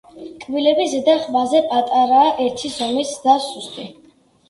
კბილები ზედა ყბაზე პატარაა, ერთი ზომის და სუსტი.